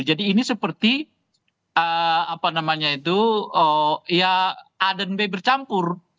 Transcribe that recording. jadi ini seperti apa namanya itu ya a dan b bercampur